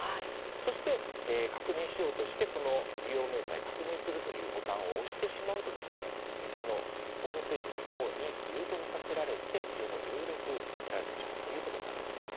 そして、確認しようとしてこの「利用明細を確認する」というボタンを押してしまうと偽のホームページの方に誘導させられて情報を入力させられてしまうということになるわけです。